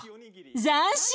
斬新！